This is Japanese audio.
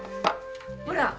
ほら！